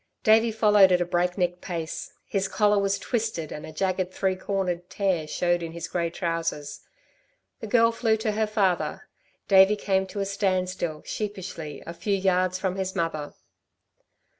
Davey followed at a breakneck pace. His collar was twisted and a jagged three cornered tear showed in his grey trousers. The girl flew to her father. Davey came to a standstill sheepishly, a few yards from his mother.